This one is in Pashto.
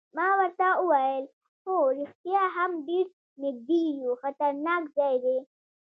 ما ورته وویل: هو رښتیا هم ډېر نږدې یو، خطرناک ځای دی.